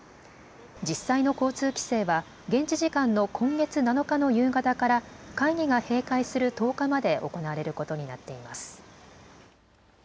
実際の交通規制は現地時間の今月７日の夕方から会議が閉会する１０日まで行われることになっています。